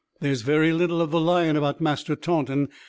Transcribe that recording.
There is very little of the lion about Master Taunton.